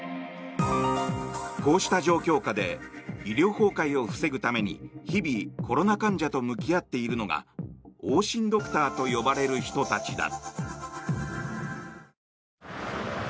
こうした状況下で医療崩壊を防ぐために日々、コロナ患者と向き合っているのが往診ドクターと呼ばれる人たちだ。